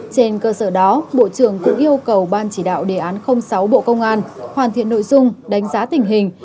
trên cơ sở đó bộ trưởng cũng yêu cầu ban chỉ đạo đề án sáu bộ công an hoàn thiện nội dung đánh giá tình hình